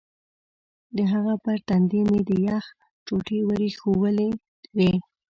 د هغه پر تندي مې د یخ ټوټې ور ایښودلې وې.